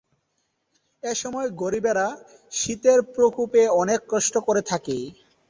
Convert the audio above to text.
এসময় গরিবেরা শীতের প্রকোপে অনেক কষ্ট করে থাকে।